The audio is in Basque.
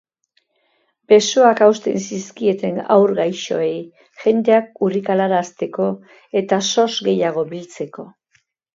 Besoak hausten zizkieten haur gaixoei, jendeak urrikalarazteko eta sos gehiago biltzeko.